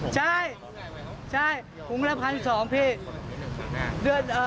ใช่ผมแดดร้อนพันธุ์สองพี่